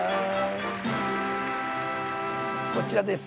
こちらです。